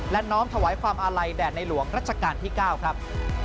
และน้อมถวายความอาลัยแด่ในหลวงรัชกาลที่๙ครับ